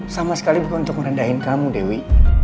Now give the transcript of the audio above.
sama sekali bukan untuk merendahin kamu dewi